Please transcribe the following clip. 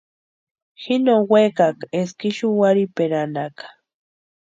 Ji no wekaaka eska ixu warhiperanhaaka.